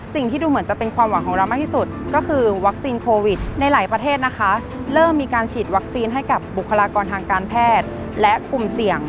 การเชื้อเชื้อบุคลากรทางการแพทย์และกลุ่มเสี่ยง